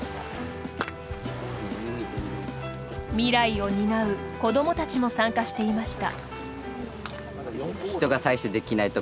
未来を担う子供たちも参加していました。